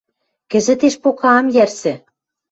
— Кӹзӹтеш пока ам йӓрсӹ.